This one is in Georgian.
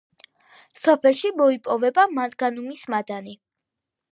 სოფელში მოიპოვება მანგანუმის მადანი.